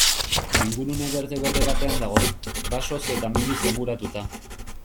Ingurune berde-berde batean dago, basoz eta mendiz inguratuta.